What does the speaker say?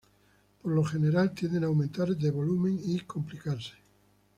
Por lo general tienden a aumentar de volumen y complicarse.